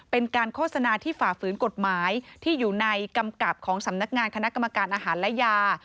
เป็นการโฆษณาที่ฝ่าฝืนกฎหมายที่อยู่ในกำกับของสำนักงานคณะกรรมการอาหารและยา